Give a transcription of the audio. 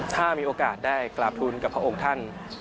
ถ้ามีโอกาสได้กราบทุนกับพระองค์ท่าน